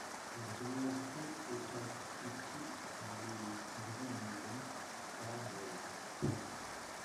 A genealogical sketch of Tichy family is given in Lem's "Star Diaries".